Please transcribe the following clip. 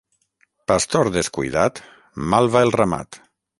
Pastor descuidat, mal va el ramat.